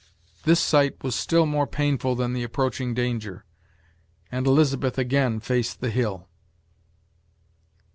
This sight was still more painful than the approaching danger; and Elizabeth again faced the hill.